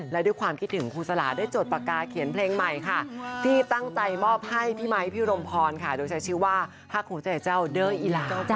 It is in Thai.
และด้วยความคิดถึงครูสลาได้จดปากกาเขียนเพลงใหม่ค่ะที่ตั้งใจมอบให้พี่ไมค์พี่รมพรค่ะโดยใช้ชื่อว่าภาคหัวใจเจ้าเด้ออีลา